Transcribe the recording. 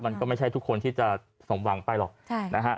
มันก็ไม่ใช่ทุกคนที่จะสมหวังไปหรอกนะฮะ